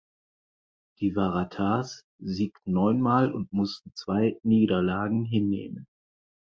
Die Waratahs siegten neunmal und mussten zwei Niederlagen hinnehmen.